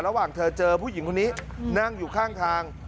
ระหว่างเธอเจอผู้หญิงคนนี้นั่งอยู่ข้างทาง